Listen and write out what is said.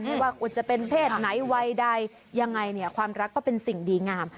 ให้ความเราจะเป็นเป็นเพศไหนวัยใดยังไงความรักก็เป็นสิ่งดีงาม